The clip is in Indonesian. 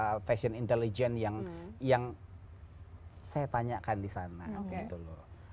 ini surupih ada fashion intelligent yang saya tanyakan disana gitu loh